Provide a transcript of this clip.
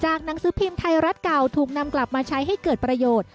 หนังสือพิมพ์ไทยรัฐเก่าถูกนำกลับมาใช้ให้เกิดประโยชน์